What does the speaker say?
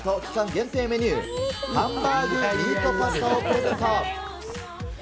限定メニュー、ハンバーグミートパスタをプレゼント。